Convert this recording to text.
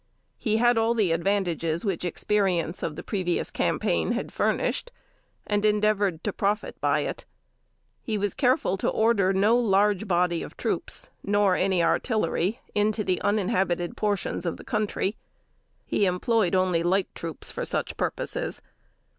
He had all the advantages which experience of the previous campaign had furnished, and endeavored to profit by it. He was careful to order no large body of troops, nor any artillery, into the uninhabited portions of the country. He employed only light troops for such purposes.